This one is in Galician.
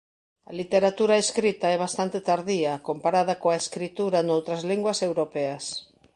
A literatura escrita é bastante tardía comparada coa escrita noutras linguas europeas.